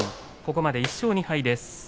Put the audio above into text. ここまで１勝２敗です。